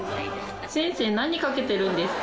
先生、何かけてるんですか。